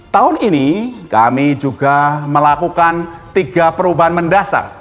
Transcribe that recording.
tahun ini kami juga melakukan tiga perubahan mendasar